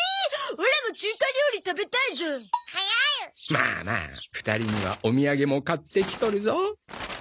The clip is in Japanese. まあまあ２人にはお土産も買ってきとるゾ。